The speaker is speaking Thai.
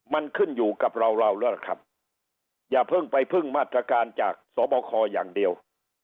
มันขึ้นอยู่กับเราเราแล้วล่ะครับอย่าเพิ่งไปพึ่งมาตรการจากสบคอย่างเดียว